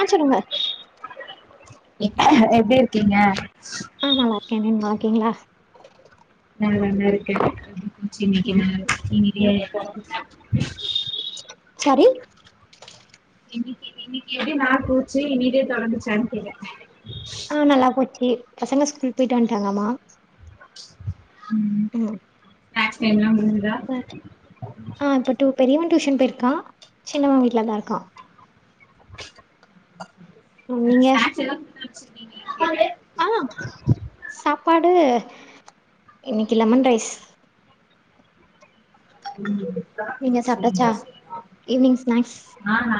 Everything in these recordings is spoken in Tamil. ஆ சொல்லுங்க எப்டி இருக்கீங்க ஆ நல்லா இருக்கே நீங்க நல்லாருக்கீங்ளா நா நல்லா இருக்கே சின்னைக்கு ம் நாள் இன்னைக்கு எ சாரி இன்னைக்கு இன்னைக்கு எப்டி நாள் போச்சு இனிதே தொடங்கிச்சான் கேக்கே உம் ம் நல்லா போச்சு பசங்க ஸ்கூல் போயிட்டு வந்ட்டாங்கம்மா ம் ம் ஹேர் ஸ்டைல்லா முடிஞ்சிதா ஆ இப்ப டூ பெரியவ டியூஷன் போயிருக்கா சின்னவ வீட்லதா இருக்கா ம் நீங்க ான்ச்ச [unintelligible] ஆ சாப்பாடு இன்னைக்கு லெமன் ரைஸ் ம் நீங்க சாப்ட்டச்சா ஈவினிங் ஸ்நக்ஸ் ஆஹா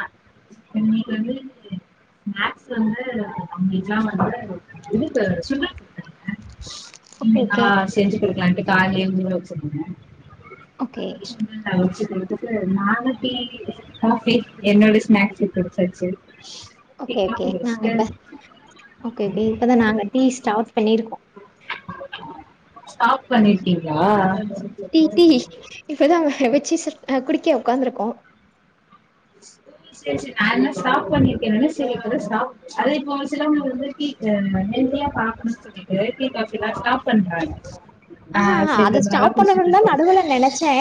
இன்னைக்கு வந்து ஸ்நாக்ஸ் வந்து கம்ப்ளீட்டா வந்து இதுக்கு சுண்டல் குடுத்தேனுங்க ஓகே ஈவ்னிங்கா ஓகே செஞ்சு குடுக்கலான்ட்டு கால்லே ஊர வச்சேனுங்க ஓகே [inaudible] ஒத்துக்க ஒத்துக்க நாளைக்கி காபி இன்னோட ஸ்நாக்ஸ் இருக்குது வச்சாச்சு ஓகே ஓகே நாங்க இப்ப ஒகே ஒகே இப்பதான் நாங்க டீ ஸ்டார்ட் பண்ணிருக்கோ ஸ்டாப் ம் பண்ணிருக்கிங்களா இப்பதான்ங்க வச்சு குடிக்க ஒக்காந்துருக்கோ சரி சரி நான் என்ன ஓகே ஸ்டாப்ண பண்ணிருக்கே ஸ்டாப் அத இப்ப வச்சங்க வந்து [unintelligible] பாக்கணு சொல்லிட்டு டீ காபி ஸ்டாப் பண்றாங்க அ ஆஹ் சரி அத ரொம்ப நாளா ஸ்டாப் குடிச்சிட்டு பண்ணணனு தா இருக்கோம் நடுவுல நெனைச்சே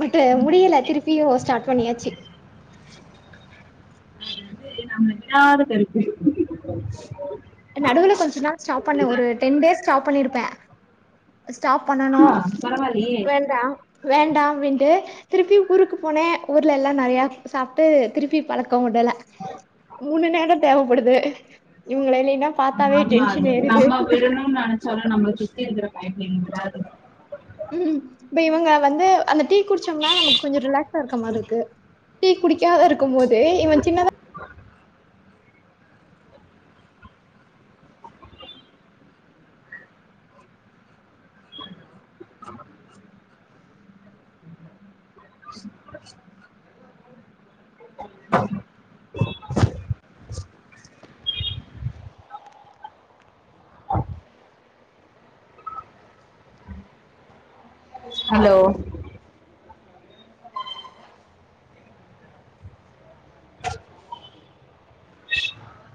பட்டு அது முடியலை திருப்பியு ஸ்டார்ட் பண்ணியாச்சு [inaudible] [unintelligible] நடுவுல கொஞ்சொ நாள் ஸ்டாப் பண்ண ஒரு டென் டேஸ் ஸ்டாப் பண்ணிருப்பே ஸ்டாப் பண்ணணு ஆஹ் பரவாயில்லையே வேண்டாம் வேண்டாம் அப்டின்ட்டு திருப்பி ஊருக்கு போனே ஊர்ல எல்லாம் நறைய சாப்ட்டு திருப்பி பழக்கம் உடல மூணு நேரோ தேவைப்படுது இவங்கள இல்லைன்னா பார்த்தாவே டென்ஷன் ஏருது சொல்ல நம்மளை சுத்திந்திர பயங்கது ம் இப்ப இவங்க வந்து அந்த டீ குடிச்சோம்னா நமக்கு கொஞ்சொ ரிலாக்ஸ் இருக்க மாதிரி இருக்கு டீ குடிக்காது இருக்கு போது இவன் சின்னதா [inaudible] ஆமா அ [inaudible] அ ஹலோ [inaudible]